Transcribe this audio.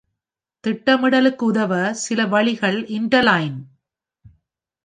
திட்டமிடலுக்கு உதவ, சில வழிகள் "இன்டர்லைன்".